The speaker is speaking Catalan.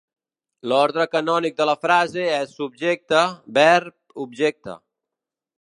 L'ordre canònic de la frase és subjecte-verb-objecte.